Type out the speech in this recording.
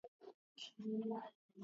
Tenemos de prender una foguera.